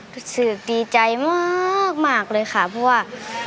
รู้สึกดีใจมากเลยค่ะเพราะว่า